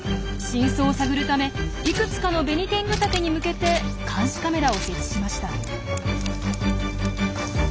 真相を探るためいくつかのベニテングタケに向けて監視カメラを設置しました。